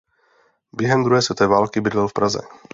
Během druhé světové války bydlel v Praze.